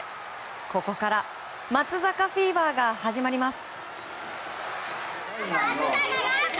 ここから松坂フィーバーが始まります。